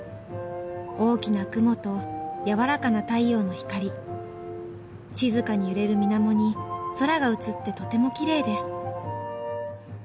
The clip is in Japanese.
「大きな雲とやわらかな太陽の光」「静かに揺れる水面に空が映ってとても奇麗です」